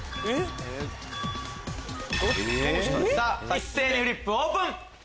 一斉にフリップオープン！